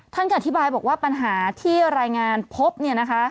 ท่านก็อธิบายบอกว่าปัญหาที่รายงานพบเนี่ยนะคะ